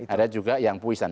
ada juga yang puisan